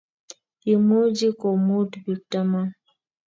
Imuchi komuut bik taman